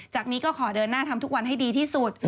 นี้ก็ขอเดินหน้าทำทุกวันให้ดีที่สุด